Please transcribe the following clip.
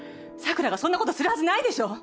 桜がそんな事するはずないでしょ！